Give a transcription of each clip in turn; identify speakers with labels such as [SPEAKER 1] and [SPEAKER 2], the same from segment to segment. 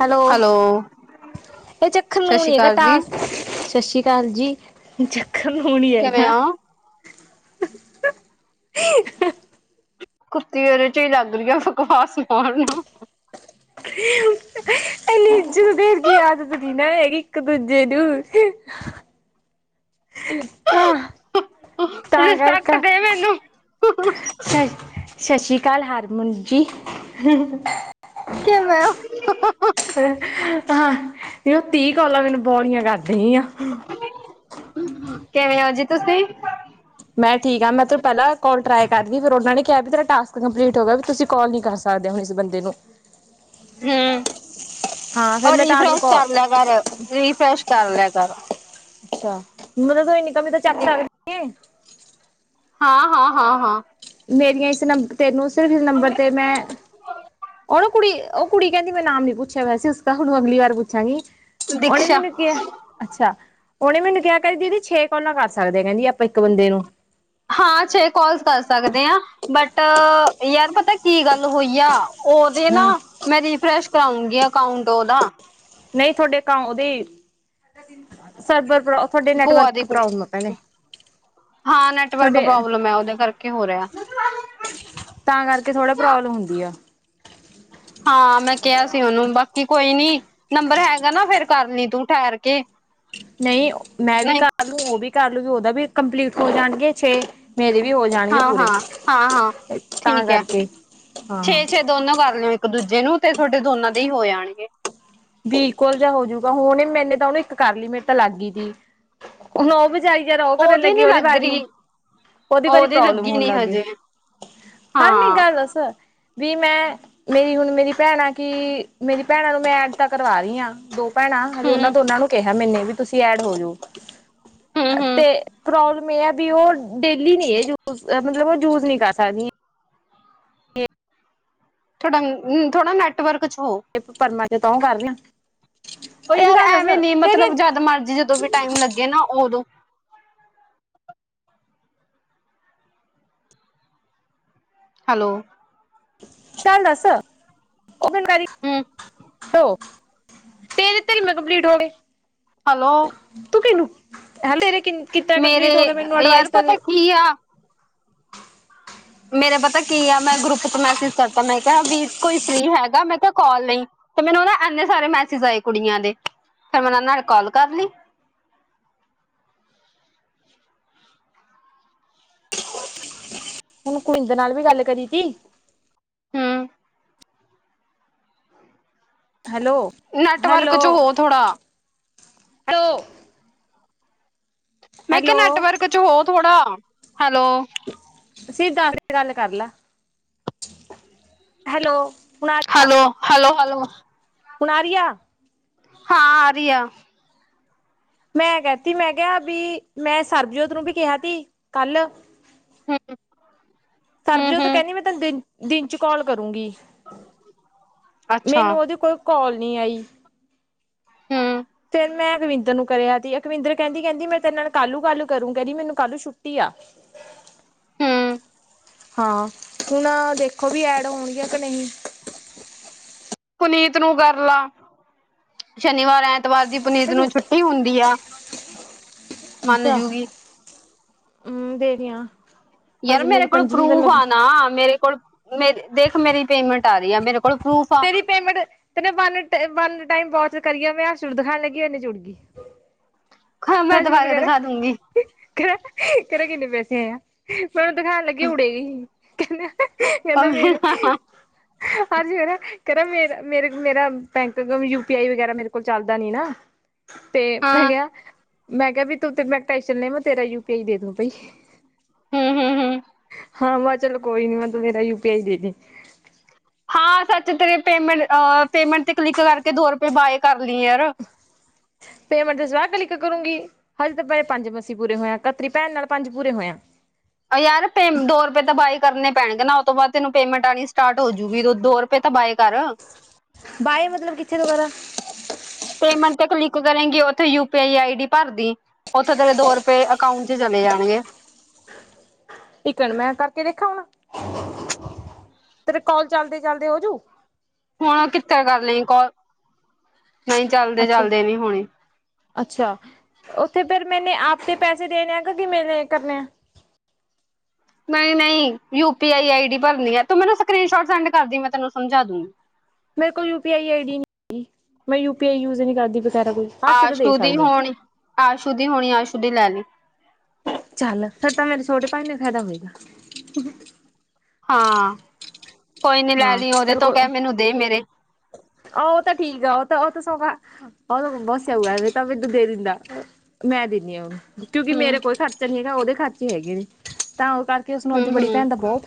[SPEAKER 1] Hello. ਇਹ ਚੱਖਣ
[SPEAKER 2] ਸਤਿ
[SPEAKER 1] ਨੂੰ
[SPEAKER 2] ਸ਼੍ਰੀ
[SPEAKER 1] ਨੀ ਹੈਗਾ
[SPEAKER 2] ਅਕਾਲ ਜੀ।
[SPEAKER 1] ਟਾਸ। ਸਤਿ ਸ਼੍ਰੀ ਆਂ ਕਾਲ ਜੀ, ਚੱਕਣ ਨੂਨੀ
[SPEAKER 2] ਕਿਵੇਂ
[SPEAKER 1] ਹੈਗਾ।
[SPEAKER 2] ਹੋ?
[SPEAKER 1] [inaudible]
[SPEAKER 2] [unintelligible] ਏਦੇ ਚ ਈ ਲੱਗ ਰਹੀ ਏ ਬਕਵਾਸ ਪਾਣ ਨੂੰ [inaudible]
[SPEAKER 1] ਏਨੀ ਇਜ਼ਤ ਦੇਣ ਦੀ ਆਦਤ ਨੀ ਨਾ ਹੈਗੀ ਇੱਕ ਦੂਜੇ ਨੂੰ ਆ ਤਾਂ
[SPEAKER 2] ਰਿਸਪੈਕਟ
[SPEAKER 1] ਕਰਕਾ
[SPEAKER 2] ਦੇ ਮੈਨੂੰ।
[SPEAKER 1] ਸ ਸਸ਼ੀ ਕਾਲ ਹਾਰਮੋਨ ਜੀ
[SPEAKER 2] ਕਿਵੇਂ ਹੋ
[SPEAKER 1] ਅ ਹਾਂ ਉਹ ਤੀ ਹ ਕੋਲਾਂ ਮੈਨੂੰ ਬੋਰੀਆਂ ਕਰਦੀ ਹੀ ਆ
[SPEAKER 2] ਕਿਵੇਂ ਹੋ ਜੀ ਤੁਸੀਂ?
[SPEAKER 1] ਮੈਂ ਠੀਕ ਆ ਮੈਂ ਤੂੰ ਪਹਿਲਾਂ ਕੋਲ ਟਰਾਈ ਕਰਦੀ ਫਿਰ ਉਹਨਾ ਨੇ ਕਿਹਾ ਵੀ ਤੇਰਾ ਟਾਸ ਕੰਪਲੀਟ ਹੋ ਗਿਆ ਵੀ ਤੁਸੀਂ ਕਾਲ ਨੀ ਕਰ ਸਕਦੇ ਹੁਣ ਇਸ ਬੰਦੇ ਨੂੰ
[SPEAKER 2] ਹਮ
[SPEAKER 1] ਹਾਂ ਫਿਰ
[SPEAKER 2] ਔਰ
[SPEAKER 1] ਮੈਂ ਤਾਂ ਤੈਨੂੰ
[SPEAKER 2] ਰੀਫਰੈਸ਼
[SPEAKER 1] ਕਾਲ
[SPEAKER 2] ਕਰ ਲੈ ਪਰ ਰੀਫਰੈਸ਼ ਕਰ ਲਿਆ ਕਰ
[SPEAKER 1] ਅੱਛ ਮਤਲਬ ਤ ਇੰਨੀ ਕਮੀ ਤਾਂ ਚੱਕ ਸਕਦੀ
[SPEAKER 2] ਹਾਂ, ਹਾਂ, ਹਾਂ, ਹਾਂ।
[SPEAKER 1] ਮੇਰੀਆਂ ਇਸ ਨੰਬਰ ਤੇੈਨੂੰ ਸਿਰਫ਼ ਇਸ ਨੰਬਰ ਤੇ ਮੈਂ ਉ ਨਾ ਕੁੜੀ ਔ ਕੁੜੀ ਕਹਿੰਦੀ ਮੈਂਰਾ ਨਾਮ ਨੀ ਪੁੱਛਿਆ ਵਇਆ ਸੀ, ਉਸਕਾ ਹੁਣ ਅਗਲੀ ਵਾਰ ਪੁੱਛਾਂਗੀ ਉਹਨੇ
[SPEAKER 2] ਦੀਕਸ਼ਾ
[SPEAKER 1] ਮੈਨੂੰ ਕਿਹਾ। ਅੱਛਾ, ਉਨੇ ਮੈਨੂੰ ਕਿਹਾ ਕ ਦੀਦੀ ਛੇ ਕੋੌਲਾ ਕਰ ਸਕਦੇ ਹੇਗਾ ਕੇਂਦੀ ਆਪਾਂ ਇੱਕ ਬੰਦੇ ਨੂੰ।
[SPEAKER 2] ਹਾਂ ਛੇ ਕੋਾਲਸ ਕਰ ਸਕਦੇ ਹਾਂ ਬਟ ਯਾਰ ਪਤਾ ਕੀ ਗੱਲ ਹੋਈ ਆ ਉਹਦੇ ਨਾ
[SPEAKER 1] ਹੂੰ।
[SPEAKER 2] ਮੈਂ ਰੀਫਰੈਸ਼ ਕਰਾਉਂਗੀ ਅਕਾਊਂਟ ਉਦਾ
[SPEAKER 1] ਨਈ ਤੋਂਥੋ ਡੇ ਅਕਾ ਉਦੇ ਸਰਬਰ ਪ੍ਰੋ ਤੁਹਾਡੇ
[SPEAKER 2] ਭੂਆ
[SPEAKER 1] ਨੈਟਵਰਕ
[SPEAKER 2] ਦੀ ਕੁੜੀ
[SPEAKER 1] ਪ੍ਰੋਬਲਮ ਆ ਭੈਣੇ।
[SPEAKER 2] ਹਾਂ ਨੈਟਵਰਕ
[SPEAKER 1] ਤੁਹਾਡੇ
[SPEAKER 2] ਪ੍ਰੋਬਲਮ ਏ ਉਦੇ ਕਰਕੇ ਹੋ ਰਿਹਾ
[SPEAKER 1] ਤਾਂ ਕਰਕੇ ਥੋੜਾ ਪ੍ਰੋਬਲਮ ਹੁੰਦੀ ਆ
[SPEAKER 2] ਹਾਂ ਮੈਂ ਕਿਹਾ ਸੀ ਉਨੂੰ ਬਾਕੀ ਕੋਈ ਨੀ ਨੰਬਰ ਹੈਗਾ ਨਾ ਫੇਰ ਕਰ ਲੀ ਤੂੰ ਠੈਰ ਕੇ
[SPEAKER 1] ਨਈ ਮੈਂ ਵੀ
[SPEAKER 2] ਨਹੀਂ
[SPEAKER 1] ਕਰ ਲੂ ਉਹ ਵੀ ਕਰ ਲੂਗੀ ਉਦਾ ਵੀ ਕੰਪਲੀਟ ਹੋ ਜਾਣਗੇ ਛੇ ਮੇਰੇ ਵੀ ਹੋ ਜਾਣਗੇ
[SPEAKER 2] ਹਾਂ
[SPEAKER 1] ਪੂਰੇ
[SPEAKER 2] ਹਾਂ ਹਾਂ ਹਾਂ
[SPEAKER 1] ਤਾਂ ਕਰਕੇ ਹਾਂ ਹਾਂ
[SPEAKER 2] ਦੋਨੋ ਕਰ ਲਿਓ ਇੱਕ ਦੂਜੇ ਨੂੰ ਤੇ ਤੁਹਾਡੇ ਦੋਨਾਂ ਦੇ ਹੀ ਹੋ ਜਾਣਗੇ।
[SPEAKER 1] ਬਿਲਕੁਲ ਜਾਿ ਹੋਜੂਗਾ ਹੁਣ ਮੈਨੇ ਤਾਂ ਉਹਨੂੰ ਇੱਕ ਕਰ ਲਈ ਮੇਰੇ ਤਾਂ ਲੱਗ ਗਈ ਤੀ ਨੌ ਵਜਈ ਜਦ ਉ ਕਰਨ
[SPEAKER 2] ਉਹਦੀ
[SPEAKER 1] ਲੱਗੀ
[SPEAKER 2] ਨੀ
[SPEAKER 1] ਉਦੇ
[SPEAKER 2] ਲੱਗ
[SPEAKER 1] ਬਾਰ ਨੂੰ
[SPEAKER 2] ਰਹੀ
[SPEAKER 1] ਉਹਦੀ ਬਾਰੀ ਪ੍ਰੋਬਲਮ
[SPEAKER 2] ਲੱਗੀ
[SPEAKER 1] ਹੋਣ
[SPEAKER 2] ਨੀ
[SPEAKER 1] ਲੱਗ ਗਈ
[SPEAKER 2] ਹਜੇ
[SPEAKER 1] ਹਰ ਨੀ
[SPEAKER 2] ਹਾਂ
[SPEAKER 1] ਗੱਲ ਦੱਸ ਵੀ ਮੈਂ ਮੇਰੀ ਹੁਣ ਮੇਰੀ ਭੈਣ ਆ ਕੀ ਮੇਰੀ ਭੈਣਾਂ ਨੂੰ ਮੈਂ ਐਡ ਤਾਂ ਕਰਵਾ ਰਹੀ ਹਾਂ ਦੋ ਭੈਣਾ ਹਜੇ
[SPEAKER 2] ਹਮ
[SPEAKER 1] ਉਹਨਾਂ ਦੋਨਾਂ ਨੂੰ ਕਿਹਾ ਮੈਨੇ ਵੀ ਤੁਸੀਂ ਐਡ ਹੋ ਜਾਓ
[SPEAKER 2] ਹਮ ਹਮ
[SPEAKER 1] ਤੇ ਮੈਂ ਵੀ ਉਹ ਡੇਲੀ ਨੀ ਹੈ ਯੂਜ ਮਤਲਬ ਉਹ ਜੂਜ ਨੀ ਕਰ ਸਕਦੀ
[SPEAKER 2] ਥੋੜਾਮ ਥੋੜਾ ਨੈਟਵਰਕ ਚ ਹੋ
[SPEAKER 1] ਤੇ ਪਰਮਾ ਚ ਤਾਂਹ ਕਰਨਾ।
[SPEAKER 2] ਉ ਯਾਰ ਐਵੇਂ ਨੀ
[SPEAKER 1] ਤੇਰੀ
[SPEAKER 2] ਮਤਲਬ ਜਦ ਮਰਜ਼ੀ ਜਦੋਂ ਵੀ ਟਾਈਮ ਲੱਗੇ ਨਾ ਉਦੋਂ ਹੈਲੋ
[SPEAKER 1] ਗਲ ਦੱਸ ਓਦਣ ਕੇਰੀ
[SPEAKER 2] ਹਮ
[SPEAKER 1] ਹੋੋ ਤੇ ਇਹਦੇ ਧਰੀ ਮੈਂ ਕੰਪਲੀਟ ਹੋ ਗਏ।
[SPEAKER 2] ਹੈਲੋ
[SPEAKER 1] ਤੂੰ ਕਿਹਨੂੰ ਹਨ ਤੇਰੇ ਕਿੱ ਤੇ
[SPEAKER 2] ਮੇਰੇ
[SPEAKER 1] ਕੰਪਲੀਟ ਹੋ ਕੇ ਮੈਨੂੰ
[SPEAKER 2] ਯਾਰ
[SPEAKER 1] ਅਡਵਾਈਸ ਤਾਂ
[SPEAKER 2] ਪਤਾ ਕੀ ਮੇਰਾ ਪਤਾ ਕੀ ਆ ਮੈਂ ਗਰੁੱਪ ਚ ਮੈਸੇਜ ਕਰਤਾ ਮੈਂ ਕਿਯਾ ਵੀ ਕੋਈ ਫਰੀ ਹੈਗਾ ਮੈਂ ਕਿਯਾ ਕਾਲ ਲਈ ਤੇ ਮੈਨੂੰ ਏੰਨੇ ਸਾਰੇ ਮੈਸੇਜ ਆਏ ਕੁੜੀਆਂ ਦੇ ਫੇਰ ਮੈਂ ਊਨਾ ਨਾਲ ਕਾਲ ਕਰ ਲੀ।
[SPEAKER 1] ਹੁਣ ਕੁਡੀ ਦੇ ਨਾਲ ਵੀ ਗੱਲ ਕਰੀ ਤੀ
[SPEAKER 2] ਹੂੰ
[SPEAKER 1] ਹੈਲੋ
[SPEAKER 2] ਨੈਟਵਰਕ
[SPEAKER 1] ਹੈਲੋ
[SPEAKER 2] ਚ ਹੋ ਥੋੜਾ
[SPEAKER 1] ਹੈਲੋ
[SPEAKER 2] ਮੈਂ ਕਿਹਾ
[SPEAKER 1] ਹੈਲੋ
[SPEAKER 2] ਨੈਟਵਰਕ ਚ ਹੋ ਥੋੜਾ ਹੈਲੋ
[SPEAKER 1] ਸ਼ੀਦਾਂਖ ਤੇ ਗੱਲ ਕਰ ਲੇ ਹੈਲੋ ਹੁਣ ਆ ਰਹੀ ਆ
[SPEAKER 2] ਹੈਲ, ਹੈਲੋ, ਹੈਲੋ
[SPEAKER 1] ਹੁਣ ਆ ਰਹੀ ਐ।
[SPEAKER 2] ਹਾਂ ਆਰੀ ਆ।
[SPEAKER 1] ਮੈਂ ਕਹਿ ਤੀ ਮੈਂ ਕਿਹਾ, ਵੀ ਮੈਂ ਸਰਬਜੋਤ ਨੂੰ ਵੀ ਕਿਹਾ ਤੀ ਕੱਲ
[SPEAKER 2] ਹੂੰ, ਹੂੰ
[SPEAKER 1] ਸਰਬਜੋਤ
[SPEAKER 2] ਹੂੰ
[SPEAKER 1] ਕਹਿੰਦੀ, ਮੈਂ ਤੈਨੂੰ ਦਿਨ-ਦਿਨ ਚ ਕੌਲ ਕਰੂੰਗੀ।
[SPEAKER 2] ਅੱਛਾ
[SPEAKER 1] ਮੈਨੂੰ ਉਹਦੀ ਕੋਈ ਕੌਲ ਨੀ ਆਈ।
[SPEAKER 2] ਹੂੰ,
[SPEAKER 1] ਫਿਰ ਮੈਂ ਅਕਵਿੰਦਰ ਨੂੰ ਕਰਿਆ ਸੀ, ਅਕਵਿੰਦਰ ਕਹਿੰਦੀ-ਕਹਿੰਦੀ ਮੈਂ ਤੇਰੇ ਨਾਲ ਕਾਲੂੰ ਗੱਲ ਕਰੂੰ, ਕਹਿੰਦੀ ਮੈਨੂੰ ਕਾਲੂ ਛੁੱਟੀ ਆ।
[SPEAKER 2] [unintelligible]
[SPEAKER 1] ਹਾਂ, ਹੁਣ ਦੇਖੋ ਵੀ ਐਡ ਹੋਣਗੀਆਂ, ਕਿ ਨਹੀਂ।
[SPEAKER 2] ਪੁਨੀਤ ਨੂੰ ਕਰ ਲਾ, ਸ਼ਨੀਵਾਰ ਐ ਐਤਵਾਰ ਦੀ ਪਨੀਤ
[SPEAKER 1] ਭੇਜੂ
[SPEAKER 2] ਨੂੰ ਛੁੱਟੀ ਹੁੰਦੀ ਆ, ਮੰਨ ਜੂਗੀ।
[SPEAKER 1] ਹੂੰ, ਦੇਖਦਿਆਂ।
[SPEAKER 2] ਯਾਰ ਮੇਰੇ ਕੋਲ ਪਰੂਫ ਆ ਨਾ, ਮੇਰੇ ਕੋਲ ਮੇ ਦੇਖ ਮੇਰੀ ਪੇਮੈਂਟ ਆ ਰਹੀ ਆ, ਮੇਰੇ ਕੋਲ। ਪ੍ਰੂਫ ਆ
[SPEAKER 1] ਤੇਰੀ ਪੇਮੈਂਟ ਤੇਨੇ one time one time watch ਕਰੀ ਆ, ਮੈਂ ਹਰਸ਼ ਨੂੰ ਦਿਖਾਣ ਲੱਗੀ, ਇੰਨੇ ਚ ਉੜ ਗਈ।
[SPEAKER 2] ਹ ਮੈਂ
[SPEAKER 1] ਹਾਂਜੀ ਮੈਨੂੰ
[SPEAKER 2] ਦੁਬਾਰਾ
[SPEAKER 1] ਕਹਿਰਾ,
[SPEAKER 2] ਦਿਖਾ ਦੂੰਗੀ
[SPEAKER 1] ਕਹਿਰਾ-ਕਹਿਰਾ ਕਿੰਨੇ ਪੈਸੇ ਆਏ ਆ। ਮੈਂ ਉਹਨੂੰ ਦਿਖਾਣ ਲੱਗੀ ਉਡੇ ਗਈ,
[SPEAKER 2] ਹਾਂ
[SPEAKER 1] ਕਹਿੰਦਾ-ਕਹਿੰਦਾ
[SPEAKER 2] ਹੂੰ
[SPEAKER 1] ਮੇਰੇ ਹਾਂਜੀ, ਕਹਿਰਾ ਮੇਰਾ ਮੇਰੇ ਮੇਰਾ ਬੈਂਕ ਕਾ ਯੂਪੀ ਆਈ ਵਗੈਰਾ, ਮੇਰੇ ਕੋਲ ਚੱਲਦਾ ਨੀ ਨਾ। ਤੇ ਮੈਂ ਕਿਹਾ-ਮੈਂ ਕਿਹਾ ਵੀ ਤੂੰ ਤੇ ਮੈਂ ਟੈਸ਼ਨ ਲੇ, ਮੈਂ ਤੇਰਾ ਯੂ ਪੀ ਆਈ ਦੇ ਦੂੰ ਭਾਈ।
[SPEAKER 2] ਹੂੰ-ਹੂੰ- ਹੂੰ।
[SPEAKER 1] ਹਾਂ ਮਹਾਂ ਚਲੋ ਕੋਈ ਨੀ, ਮੈਂ ਤੂੰ ਮੇਰਾ ਯੂ ਪੀ ਆਈ ਦੇ ਦੀ।
[SPEAKER 2] ਹਾਂ ਸੱਚ ਤੇਰੇ ਪੇਮੈਂਟ ਅ ਪੇਮੈਂਟ ਤੇ ਕਲਿੱਕ ਕਰਕੇ, ਦੋ ਰੁਪਏ ਬਾਏ ਕਰ ਲੀ ਯਾਰ।
[SPEAKER 1] ਪੇਮੈਂਟ ਤੇ ਸਵਾ ਕਲਿੱਕ ਕਰੂੰਗੀ, ਹਜੇ ਤਾਂ ਮੇਰੇ ਪੰਜ ਮਸੀ ਪੂਰੇ ਹੋਇਆ, ਕੱਲ ਤੇਰੀ ਭੈਣ ਨਾਲ ਪੰਜ ਪੂਰੇ ਹੋਏਆ।
[SPEAKER 2] ਅਹ ਯਾਰ ਪੇ ਦੋ ਰੁਪਏ ਤਾਂ ਬਾਏ ਕਰਨੇ ਪੈਣਗੇ ਨਾ, ਉਹ ਤੋਂ ਬਾਦ ਤੈਨੂੰ ਪੇਮੈਂਟ ਆਣੀ ਸਟਾਟ ਹੋਜੂਗੀ, ਦੋ- ਦੋ ਰੁਪ ਰਪਏ ਤਾਂ ਬਾਏ ਕਰ।
[SPEAKER 1] ਬਾਏ ਮਤਲਬ ਕਿੱਥੇ ਤੋਂ ਕਰਾਂ।
[SPEAKER 2] ਪੇਮੈਂਟ ਤੇ ਕਲਿੱਕ ਕਰੇਗੀ, ਉਥੇ you P I I D ਭਰਦੀ। ਉੱਥੋ ਤੇਰੇ ਦੋ ਰੁਪਏ ਅਕਾਊਂਟ ਚ ਚਲੇ ਜਾਣਗੇ।
[SPEAKER 1] ਇੱਕ ਮਿੰਟ ਮੈਂ ਕਰਕੇ ਦੇਖਾ ਹੁਣ, ਤੇਰੇ ਕੌਲ ਚਲਦੇ- ਚਲਦੇ ਹੋਜੂ।
[SPEAKER 2] ਹੁਣ ਕਿੱਥੇ ਕਰ ਲਈ ਕੌਲ, ਨਹੀਂ
[SPEAKER 1] ਅੱਛਾ
[SPEAKER 2] ਚੱਲਦੇ-ਚੱਲਦੇ ਨੀ ਹੋਣੀ।
[SPEAKER 1] ਅੱਛਾ, ਉੱਥੇ ਫੇਰ ਮੈਨੇ ਆਪ ਦੇ ਪੈਸੇ ਦੇਣੇ ਆ, ਕ ਕਿਵੇੇ ਕਰਨੇ ਆ।
[SPEAKER 2] ਨਹੀਂ- ਨਹੀਂ, you P I I D ਭਰਨੀ ਆ, ਤੂੰ ਮੈਨੂੰ ਸਕਰੀਨ ਸ਼ੋਟ ਸੈਂਡ ਕਰਦੀ, ਮੈਂ ਤੈਨੂੰ ਸਮਝਾ ਦੂੰਗੀ।
[SPEAKER 1] ਮੇਰੇ ਕੋਲ you P I I D ਨੀ ਹੈਗੀ, ਮੈਂ ਯੂ ਪੀ ਆਈ ਯੂਜ ਨੀ ਕਰਦੀ ਵਗੈਰਾ ਕੋਈ। ਹਰ ਸੇ ਤਾਂ ਦੇ
[SPEAKER 2] ਆਸ਼ੂ ਦੀ
[SPEAKER 1] ਸਕਦੀ ਹਾਂ
[SPEAKER 2] ਹੋਣੀ, ਆਸ਼ੂ ਦੀ ਹੋਣੀ, ਆਸ਼ੂ ਦੀ ਲੈ ਲਈ।
[SPEAKER 1] ਚੱਲ, ਫੇਰ ਤਾਂ ਮੇਰੇ ਛੋਟੇ ਭਾਈ ਨੂੰ ਫਾਇਦਾ ਹੋਏਗਾ।
[SPEAKER 2] ਹਾਂ, ਕੋਈ ਨੀ ਲੈ
[SPEAKER 1] ਹਾਂ
[SPEAKER 2] ਲਈ ਉਹਦੇ
[SPEAKER 1] ਚੱਲ
[SPEAKER 2] ਤੋਂ, ਕਹਿ
[SPEAKER 1] ਕੋ
[SPEAKER 2] ਮੈਨੂੰ ਦੇ ਮੇਰੇ।
[SPEAKER 1] ਉਹ ਤੇ ਠੀਕ ਆ, ਉਹ ਤਾਂ ਉਹ ਤਾਂ ਸੋਂਕਾਂ ਉਹਨੂੰ ਬੱਸ ਆਊਗਾ ਤ ਮੈਨੂੰ ਤਾਂ ਦੇ ਦਿੰਦਾ, ਮੈਂ ਦਿੰਦੀ ਆਂ ਉਹਨੂੰ ਕਿਉਂਕਿ
[SPEAKER 2] ਹਮ
[SPEAKER 1] ਮੇਰੇ ਕੋਈ ਖਰਚਾ ਨੀ ਹੈਗਾ, ਉਹਦੇ ਖਰਚੇ ਹੈਗੇ ਨੇ, ਤਾਂ ਉਹ ਕਰਕੇ ਉਸਨੂੰ ਆਵਦੀ
[SPEAKER 2] ਹਮ
[SPEAKER 1] ਬੜੀ
[SPEAKER 2] ਹਮ
[SPEAKER 1] ਭੈਣ ਦਾ ਬਹੁ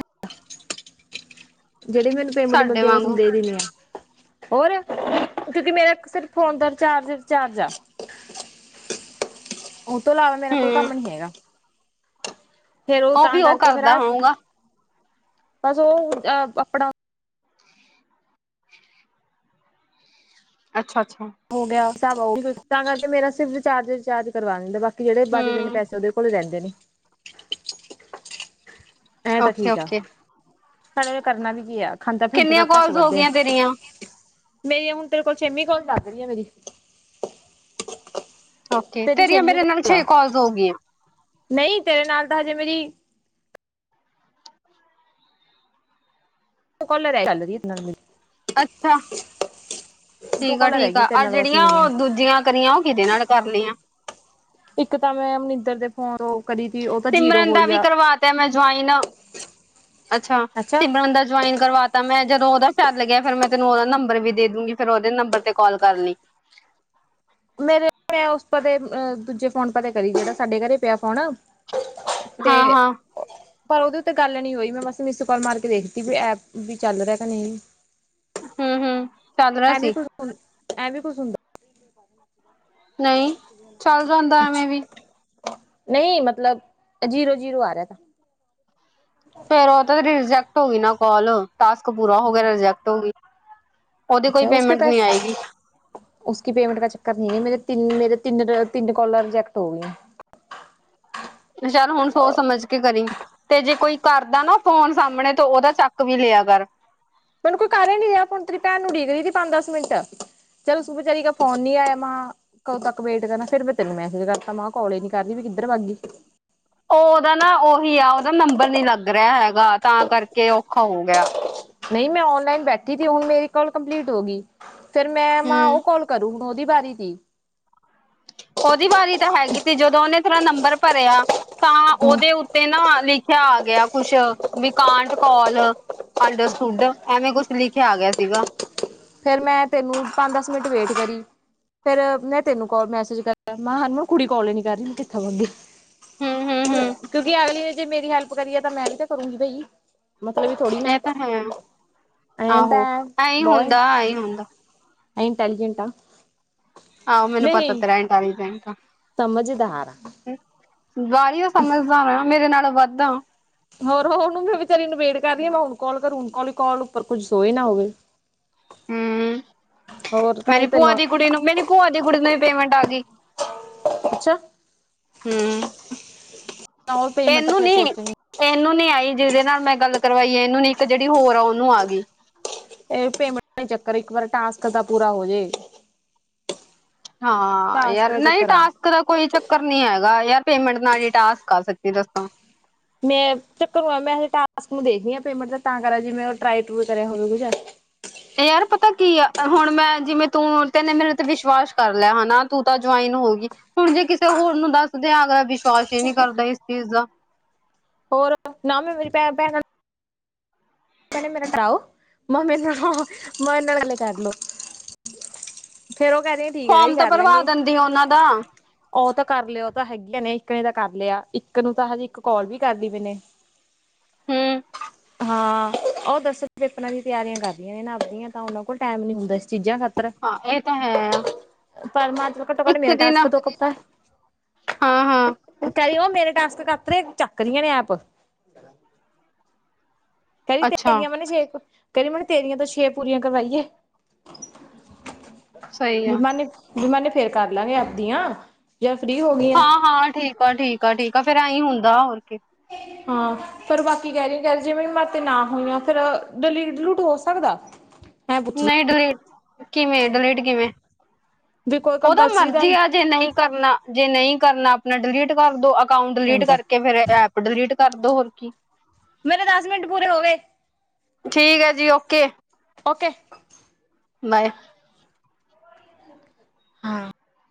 [SPEAKER 1] ਜਿਹੜੀ ਮੈਨੂੰ ਪੇਮੈਂਟ
[SPEAKER 2] ਸਾਡੇ
[SPEAKER 1] ਮਿਲਦੀ ਐ, ਮੈਂ ਉਸਨੂੰ
[SPEAKER 2] ਵਾਂਗੂ
[SPEAKER 1] ਦੇ ਦਿੰਨੀ ਆਂ। ਹੋਰ, ਕਿਉਂਕਿ ਮੇਰਾ ਸਿਰਫ ਫੋਨ ਦਾ ਰਿਚਾਰਜ-ਰਿਚਾਰਜ ਆ। ਉਹ ਤੋਂ ਇਲਾਵਾ ਮੇਰਾ ਕੋਈ
[SPEAKER 2] ਹਮ
[SPEAKER 1] ਕੰਮ ਨੀ ਹੈਗਾ। ਫੇਰ ਉਹ ਤਾਂ
[SPEAKER 2] ਵੀ
[SPEAKER 1] ਕਰਕੇ ਫੇਰ ਆ,
[SPEAKER 2] ਕਰਦਾ ਹੋਊਗਾ
[SPEAKER 1] ਬਸ ਉਹ ਆਪਣਾ
[SPEAKER 2] ਅੱਛਾ- ਅੱਛਾ
[SPEAKER 1] ਹੋ ਗਿਆ, ਤਾਂ ਕਰਕੇ ਮੇਰਾ ਸਿਰਫ ਰਿਚਾਰਜ-ਰਿਚਾਰਜ ਕਰਵਾ ਦਿੰਦਾ, ਬਾਕੀ ਜਿਹੜੇ ਬਚਦੇ ਨੇ
[SPEAKER 2] ਹਮ
[SPEAKER 1] ਪੈਸੇ ਉਹਦੇ ਕੋਲ ਰਹਿੰਦੇ ਨੇ। ਐਂ ਤਾਂ
[SPEAKER 2] ਓਕੇ
[SPEAKER 1] ਠੀਕ ਆ,
[SPEAKER 2] ਓਕੇ
[SPEAKER 1] ਪਰ ਉਹਨੇ ਕਰਨਾ ਵੀ ਕੀ ਐ। ਖਾਂਦਾ ਪੀਦਾ
[SPEAKER 2] ਕਿੰਨੀਆਂ
[SPEAKER 1] ਤਾਂ ਘੱਟ
[SPEAKER 2] ਕਾਲਸ ਹੋ
[SPEAKER 1] ਵੱਧ ਐ,
[SPEAKER 2] ਗਈਆਂ ਤੇਰੀਆਂ
[SPEAKER 1] ਮੇਰੀ ਇਹ ਹੁਣ ਤੇਰੇ ਕੋਲ ਛੇਵੀਂ ਕੋਲ ਲੱਗ ਰੀਏ ਮੇਰੀ।
[SPEAKER 2] [unintelligible]
[SPEAKER 1] ਤੇਰੀ ਛੇਮੀਂ
[SPEAKER 2] ਮੇਰੇ ਨਾਲ
[SPEAKER 1] ਕੌਲ ਐ,
[SPEAKER 2] ਛੇ ਕਾਲਸ ਹੋ ਗਈਆਂ
[SPEAKER 1] ਨਹੀਂ ਤੇਰੇ ਨਾਲ ਤਾਂ ਹਜੇ ਮੇਰੀ ਇਕ ਕੌਲ ਰਹਿ, ਕੌਲ ਚੱਲ ਰੀ ਐ ਤੇਰੇ ਨਾਲ ਮੇਰੀ।
[SPEAKER 2] ਅੱਛਾ,
[SPEAKER 1] ਦੋ
[SPEAKER 2] ਠੀਕ ਆ-
[SPEAKER 1] ਕੋਲਰ
[SPEAKER 2] ਠੀਕ
[SPEAKER 1] ਹੈਗੀਆਂ
[SPEAKER 2] ਆ,
[SPEAKER 1] ਤੇਰੇ
[SPEAKER 2] ਆਹ
[SPEAKER 1] ਨਾਲ ਬਸ
[SPEAKER 2] ਜਿਹੜੀਆਂ
[SPEAKER 1] ਮੇਰੀਆਂ
[SPEAKER 2] ਉਹ ਦੂਜੀਆਂ ਕਰੀਆਂ ਉਹ ਕਿਹਦੇ ਨਾਲ ਕਰ ਲਿਆਂ।
[SPEAKER 1] ਇੱਕ ਤਾਂ ਮੈਂ ਮਿੰਦਰ ਦੇ ਫੋਨ ਕਰੀ ਦੀ ਓ
[SPEAKER 2] ਸਿਮਰਨ ਦਾ ਵੀ ਕਰਵਾਤਾ ਮੈਂ ਜੌਇੱਨ, ਅੱਛਾ ਸਿਮਰਨ ਦਾ ਜੁਆਇਨ ਕਰਵਾ ਤਾਂ ਮੈਂ ਜਦੋਂ ਉਹਦਾ ਫੈਰ ਗਿਆ ਫਿਰ ਮੈਂ ਤੈਨੂੰ ਉਹਦਾ ਨੰਬਰ ਵੀ ਦੇ ਦੂਂਗੀ ਫਿਰਰ ਉਹਦੇ ਨੰਬਰ ਤੇ ਕੋਲ ਕਰ ਲੀਂ।
[SPEAKER 1] ਮੇਰੇ ਮੈਂ ਉਸ ਪਤੇ ਦੂਜੇ ਫੋਨ ਪਤੇਂ ਕਰੀ ਜਿਹੜਾ ਸਾਡੇ ਘਰੇ ਪਿਆ ਫੋਣ।
[SPEAKER 2] ਹਾਂ
[SPEAKER 1] ਤੇ
[SPEAKER 2] ਹਾਂ
[SPEAKER 1] ਪਰ ਉਹਦੇ ਉੱਤੇ ਗੱਲ ਨੀ ਹੋਈ ਮੈਂ ਬਸ ਮਿਸ ਕਾਲ ਮਾਰ ਕੇ ਦੇਖਤੀ ਵੀ ਐਪ ਵੀ ਚੱਲ ਰਿਹਾ ਕਿ ਨਹੀਂ?
[SPEAKER 2] [unintelligible] ਹੂੰ ਚੱਲ ਰਿਹਾ
[SPEAKER 1] ਐ ਵੀ
[SPEAKER 2] ਸੀ
[SPEAKER 1] ਕੁ ਐ ਵੀ
[SPEAKER 2] ਨਈਂ ਚੱਲ ਜਾਂਦਾ ਐਵੇਂ ਵੀ।
[SPEAKER 1] ਨਈਂ ਮਤਲਬ ਜੀਰੋ ਜੀਰੋ ਆ ਰਿਆ ਤਾ।
[SPEAKER 2] ਫੇਰ ਉਹ ਤਾਂ ਤੇ ਰਿਜੈਕਟ ਹੋ ਗਈ ਨਾ ਕੋਲ, ਟਾਸਕ ਪੂਰਾ ਹੋ ਗਿਆ ਰਿਜੈਕਟ ਹੋ ਗੀ। ਉਹਦੀ ਕੋਈ ਪੇਮੈਂਟ ਨੀ ਆਏਗੀ।
[SPEAKER 1] ਉਸ ਕੀ ਪੇਮੈਂਟ ਦਾ ਚੱਕਰ ਨਈਂ ਏਂ ਮੇਰੇ ਤਿੰਨ ਮੇਰੇ ਤਿੰਨ ਤਿੰਨ ਕੌਲਾਂ ਰਿਜੈਕਟ ਹੋ ਗਈਆਂ।
[SPEAKER 2] ਚੱਲ ਹੁਣ ਸੋਚ ਸਮਝ ਕੇ ਕਰੀਂ। ਤੇ ਜੇ ਕੋਈ ਕਰਦਾ ਨਾ ਫੋਨ ਸਾਹਮਣੇ ਤੇ ਉਹਦਾ ਚੱਕ ਵੀ ਲਿਆ ਕਰ।
[SPEAKER 1] ਕੋਈ ਕਰ ਨੀ ਰਿਹਾ ਹੁਣ ਤੇਰੀ ਭੈਣ ਨੂੰ ਉਡੀਕ ਰਹੀ ਤੀ ਪੰਜ ਦੱਸ ਮਿੰਟ, ਚੱਲੋ ਤੂੰ ਵਿਚਾਰੀ ਕਾ ਫੋਨ ਨੀ ਆਇਆ ਮਾਂ ਕਦੋਂ ਤੱਕ ਵੇਟ ਕਰਨਾ ਫਿਰ ਮੈਂ ਤੈਨੂੰ ਮੈਸੇਜ ਕਰਤਾ ਮ ਕੌਲ ਈ ਨੀ ਕਰਦੀ ਵੀ ਕਿੱਧਰ ਵਾੱਗੀ?
[SPEAKER 2] ਉਹ ਉਹਦਾ ਨਾ ਉਹੀ ਆ ਉਹਦਾ ਨੰਬਰ ਨੀ ਲੱਗ ਰਿਆ ਹੈਗਾ, ਤਾਂ ਕਰਕੇ ਔਖਾ ਹੋ ਗਿਆ।
[SPEAKER 1] ਨਹੀਂ ਮੈਂ ਔਨਲਾਈਨ ਬੈਠੀ ਤੀ ਹੁਣ ਮੇਰੀ ਕੋਲ ਕੰਪਲੀਟ ਹੋ ਗੀ। ਫਿਰ ਮੈਂ ਮਾਂ
[SPEAKER 2] ਹੂੰ
[SPEAKER 1] ਉਹ ਕੋਲ ਕਰੂ ਹੁਣ ਉਹਦੀ ਬਾਰੀ ਤੀ।
[SPEAKER 2] ਓਦੀ ਵਾਰੀ ਤਾਂ ਹੈਗੀ ਤੀ ਜਦੋਂ ਉਹਨੇ ਤੇਰਾ ਨੰਬਰ ਭਰਿਆ, ਤਾਂ ਉਹਦੇ ਤੇ ਨਾ ਲਿਖਿਆ ਆ ਗਿਆ ਕੁਸ਼ ਵੀ ਕਾਂਟ ਕੌਲ ਅੰਡਰ ਸਟੂਡ ਐਵੇਂ ਕੁਛ ਲਿਖਿਆ ਆ ਗਿਆ ਸੀਗਾ।
[SPEAKER 1] ਫਿਰ ਮੈਂ ਤੈਨੂੰ ਪੰਜ ਦਸ ਮਿੰਟ ਵੇਟ ਕਰੀ। ਫੇਰ ਮੈਂ ਤੇਨੂੰ ਕੋਲ ਮੈਸੇਜ ਕਰਤਾ ਮੈਂ ਮਾਂ ਕੁੜੀ ਕੋਲ ਨੀ ਕਰ ਰਹੀ ਮੈ ਕਿੱਥੇ ਵਾੱਗੀ?
[SPEAKER 2] ਹਮ ਹਮ
[SPEAKER 1] ਹੁਣ
[SPEAKER 2] ਹਮ
[SPEAKER 1] ਕਿਉਂਕਿ ਅਗਲੀ ਨੇ ਜੇ ਮੇਰੀ ਹੈਲਪ ਕਰੀਏ ਤਾਂ ਮੈਂ ਵੀ ਤਾਂ ਕਰੂੰਗੀ ਬਈ। ਮਤਲਬੀ ਥੋੜੀ ਨਾ,
[SPEAKER 2] ਇਹ ਤਾਂ ਹੈ
[SPEAKER 1] ਐ ਤਾਂ ਬਹ
[SPEAKER 2] ਹਾਂ ਈਂ ਹੁੰਦਾ।
[SPEAKER 1] ਇੰਟੈਲੀਜੈਂਟ ਆ।
[SPEAKER 2] ਆਓ ਮੈਨੂੰ ਪਤਾ
[SPEAKER 1] ਨਹੀਂ
[SPEAKER 2] ਤੇਰਾ ਇਨਟੈਲੀਜੈਂਟ।
[SPEAKER 1] ਸਮਝਦਾਰ ਆਂ।
[SPEAKER 2] ਬਾਲੀ਼ਓ ਸਮਝਦਾਰ ਆਂ ਮੇਰੇ ਨਾਲੋ ਵੱਧ ਆਂ।
[SPEAKER 1] ਹੋਰ ਹੋਨੂੰ ਮੈਂ ਵਿਚਾਰੀ ਨੂੰ ਵੇਟ ਕਰ ਰਈਂ ਆਂ ਮੈਂ ਹੁਣ ਕੌਲ ਕਰੂਂ ਕੋਲ ਉੱਪਰ ਕੁੱਝ ਸੋਈ ਨਾ ਹੋਵੇ।
[SPEAKER 2] ਹੂੰ,
[SPEAKER 1] ਹੋਰ ਤਾਂ ਹੀ
[SPEAKER 2] ਮੇਰੀ ਭੂਆ
[SPEAKER 1] ਤੈਨੂੰ
[SPEAKER 2] ਦੀ ਕੁੜੀ ਨੂੰ ਮੇਰੀ ਭੂਆ ਦੀ ਕੁੜੀ ਨੂੰ ਵੀ ਪੇਮੈਂਟ ਆਗੀ।
[SPEAKER 1] ਅੱਛਾ।
[SPEAKER 2] ਹੂੰ,
[SPEAKER 1] ਉਹ ਪੇਮੈਂਟ ਤਾਂ
[SPEAKER 2] ਤੇਨੂੰ
[SPEAKER 1] ਫਿਰ
[SPEAKER 2] ਨੀ।
[SPEAKER 1] ਸੋਚਣੀ
[SPEAKER 2] ਤੇਂਨੂੰ ਨੀ ਆਈ ਜਿਦੇ ਨਾਲ ਮੈਂ ਗੱਲ ਕਰਵਾਈਏ ਇਹਨੂੰ ਨੀ ਇੱਕ ਜਿਹੜੀ ਹੋਰ ਆ ਉਹਨੂੰ ਆ ਗੀ।
[SPEAKER 1] ਇਹ ਪੇਮੇਂਟ ਚੱਕਰ ਇੱਕ ਵਾਰ ਟਾਸਕ ਦਾ ਪੂਰਾ ਹੋਜੇ।
[SPEAKER 2] ਹਾਂ, ਯਾਰ ਨਹੀਂ ਤਾਂ ਦਾ ਕੋਈ ਚੱਕਰ ਨੀ ਹੈਗਾ ਯਾਰ ਪੇਮੇਂਟ ਨਾਲ ਹੀ ਟਾਸਕ ਆ ਸੱਚੀ ਦੱਸਾਂ।
[SPEAKER 1] ਮੈਂ ਚੱਕਰ ਮੈਂ ਟਾਸਕ ਨੂੰ ਦੇਖਦੀ ਆਂ ਪੇਮੈਂਟ ਤਾਂ ਕਰਕੇ ਜੇ ਮੈਂ ਟਰਾਏ ਟ੍ਰੁਏ ਕਰਿਆ ਹੋਵੇਗਾ।
[SPEAKER 2] ਯਾਰ ਪਤਾ ਕੀ ਆ ਹੁਣ ਮੈਂ ਜਿਵੇਂ ਤੂੰ ਤੈਨੇ ਮੇਰੇ ਉੱਤੇ ਵਿਸ਼ਵਾਸ ਕਰ ਲਿਆ ਹਨਾ ਤੂੰ ਤਾਂ ਜੁਆਇਨ ਹੋਗੀ। ਹੁਣ ਜੇ ਕਿਸੇ ਹੋਰ ਨੂੰ ਦੱਸਦੇ ਅਗਲਾ ਵਿਸ਼ਵਾਸ ਹੀ ਨੀ ਕਰਦਾ ਇਸ ਚੀਜ਼ ਦਾ।
[SPEAKER 1] ਹੋਰ ਨਾ ਵੀ ਮੇਰੀ ਭੈ ਭੈਣਾਂ ਨੂੰ ਕਹਿੰਣੇ ਮੇਰੇ ਨਾਲ ਕਰਾਓ ਮੈਂ ਮੇਰੇ ਨਾਲ ਮੈਂ ਮੇਰੇ ਨਾਲ ਗੱਲੇ ਕਰ ਲੋ। ਫਿਰ ਉਹ ਕਹਿੰਦੇ
[SPEAKER 2] ਫੋਮ ਤਾਂ ਭਰਵਾ ਦਿੰਦੀ ਉਹਨਾਂ ਦਾ।
[SPEAKER 1] ਉਹ ਤਾਂ ਕਰ ਲਿਆ ਓ ਤਾਂ ਹੈਗੀਆਂ ਨੇ ਇੱਕ ਨੇ ਤਾਂ ਕਰ ਲਿਆ, ਇੱਕ ਨੂੰ ਤਾਂ ਹਜੇ ਇੱਕ ਕੌਲ ਵੀ ਕਰ ਲਈ ਮੇਨੇ।
[SPEAKER 2] ਹੂ
[SPEAKER 1] ਹਾਂ ਉਹ ਦੱਸ ਪੇਪਰਾਂ ਦੀ ਤਿਆਰੀਆਂ ਕਰਦੀਆਂ ਨੇ ਨਾ ਆਪਦੀਆਂ, ਤਾਂ ਉਹਨਾਂ ਕੋਲ ਟਾਈਮ ਨੀ ਹੁੰਦਾ ਇਸ ਚੀਜ਼ਾਂ ਖਾਤਰ,
[SPEAKER 2] ਹਾਂ ਇਹ ਤਾਂ ਹੈ।
[SPEAKER 1] ਪਰਮਾਤਮਕ ਤੋ ਘਟੋ ਘੱਟ
[SPEAKER 2] ਇੱਕ
[SPEAKER 1] ਮੇਰਾ
[SPEAKER 2] ਦਿਨ
[SPEAKER 1] ਟਾਸਕ ਤੋ ਤਾ
[SPEAKER 2] ਹਾਂ ਹਾਂ
[SPEAKER 1] ਕਰੀ ਉਹ ਮੇਰੇ ਟਾਸਕ ਕੱਤ ਰਹੇ, ਚੱਕ ਰਹੀਆਂ ਨੇ ਐਪ
[SPEAKER 2] ਅੱਛਾ
[SPEAKER 1] [unintelligible] ਕਰੀ ਮੈਨੂੰ ਤੇਰੀਆਂ ਤੋਂ ਛੇ ਪੂਰੀਆਂ ਕਰਵਾਈਏ,
[SPEAKER 2] ਸਹੀ ਆ
[SPEAKER 1] ਬਮਾਨ ਵੀ ਮਨੇ ਫਿਰ ਕਰ ਲਾਂਗੇ ਆਪਦੀਆਂ, ਜੇ ਮੈਂ ਜਾ ਫ੍ਰੀ ਹੋ ਗਈ ਆਂ।
[SPEAKER 2] ਹਾਂ ਹਾਂ ਠੀਕ ਆ ਠੀਕ ਆ, ਫੇਰ ਐਵੇ ਹੁੰਦਾ ਹੋਰ ਕੀ।
[SPEAKER 1] ਹਾਂ, ਫੇਰ ਬਾਕੀ ਕਹਿ ਰਹੀ ਕਹਿ ਜਿਵੇਂ ਮ ਤੇ ਨਾ ਹੋਈਆਂ, ਫੇਰ ਡਲੀਟ ਡਲੂਟ ਹੋ ਸਕਦਾ ਮੈਂ ਪੁੱਛ ਰਹੀ
[SPEAKER 2] ਨਹੀਂ ਡਿਲੀਟ ਕਿਵੇਂ, ਡਿਲੀਟ ਕਿਵੇਂ,
[SPEAKER 1] ਵੀ ਕੋਈ
[SPEAKER 2] ਉਹਦਾ
[SPEAKER 1] ਕੰਪਲਸਰੀ ਤਾਂ
[SPEAKER 2] ਮਰਜ਼ੀ ਆ ਜੇ ਨਹੀਂ ਕਰਨਾ, ਜੇ ਨਹੀਂ ਕਰਨਾ ਆਪਣਾ ਡਿਲੀਟ ਕਰ ਦੋ ਅਕਾਊਂਟ, ਡਿਲੀਟ
[SPEAKER 1] ਰਹਿੰਦਾ
[SPEAKER 2] ਕਰਕੇ ਫੇਰ ਐ। ਡਿਲੀਟ ਕਰ ਦੋ ਹੋਰ ਕੀ।
[SPEAKER 1] ਮੇਰੇ ਦਸ ਮਿੰਟ ਪੂਰੇ ਹੋ ਗਏ
[SPEAKER 2] ਠੀਕ ਹੈ ਜੀ ਓਕੇ।
[SPEAKER 1] ਓਕੇ।
[SPEAKER 2] ਬਾਏ।
[SPEAKER 1] ਹਾਂ